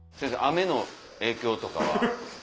雨の影響とかは？